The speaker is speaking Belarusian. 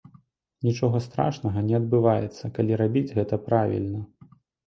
Нічога страшнага не адбываецца, калі рабіць гэта правільна.